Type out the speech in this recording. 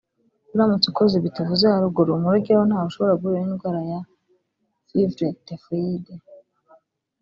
uramutse ukoze ibi tuvuze haruguru mu rugo iwawe ntaho ushobora guhurira n’indwara ya fievre typhoid